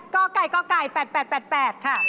ก่อกาลแปดค่ะ